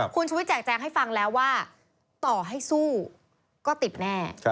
คุณชุวิตแจกแจงให้ฟังแล้วว่าต่อให้สู้ก็ติดแน่